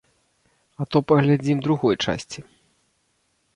А то паглядзім другой часці.